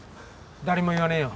誰にも言わねえよ。